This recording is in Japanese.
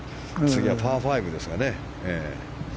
次はパー５ですがね。